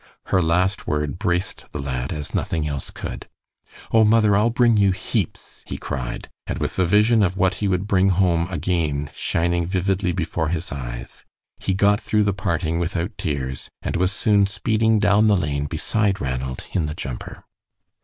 Her last word braced the lad as nothing else could. "Oh, mother, I'll bring you heaps!" he cried, and with the vision of what he would bring home again shining vividly before his eyes, he got through the parting without tears, and was soon speeding down the lane beside Ranald, in the jumper.